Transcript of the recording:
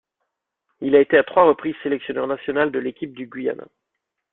Il a été à trois reprises sélectionneur national de l'équipe du Guyana.